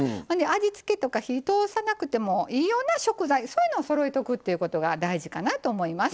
味付けとか火を通さなくてもいいような食材そういうのをそろえておくというのが大事かなと思います。